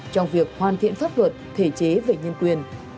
trong việc hoàn thiện pháp luật thể chế về nhân quyền